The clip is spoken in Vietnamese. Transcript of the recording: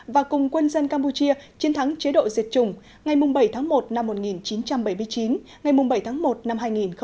và cùng quân dân campuchia chiến thắng chế độ diệt chủng ngày bảy tháng một năm một nghìn chín trăm bảy mươi chín ngày bảy tháng một năm hai nghìn một mươi chín